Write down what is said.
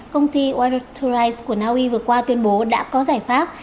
công ty warturise của naui vừa qua tuyên bố đã có giải pháp